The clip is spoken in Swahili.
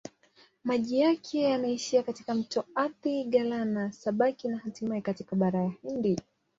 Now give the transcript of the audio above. Maji yake yanaishia katika mto Athi-Galana-Sabaki na hatimaye katika Bahari ya Hindi.